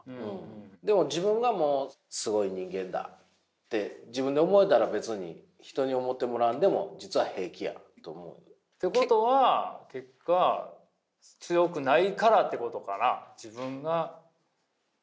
でも自分がもうすごい人間だって自分で思えたら別に人に思ってもらわんでも実は平気やと思う？ってことは結果強くないからってことかな？